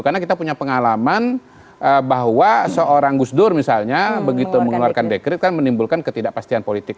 karena kita punya pengalaman bahwa seorang gus dur misalnya begitu mengeluarkan dekret kan menimbulkan ketidakpastian politik